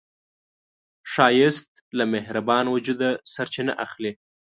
ښایست له مهربان وجوده سرچینه اخلي